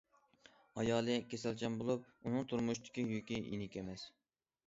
ئايالى كېسەلچان بولۇپ، ئۇنىڭ تۇرمۇشتىكى يۈكى يېنىك ئەمەس.